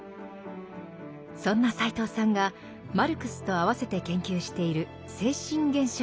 そんな斎藤さんがマルクスとあわせて研究している「精神現象学」。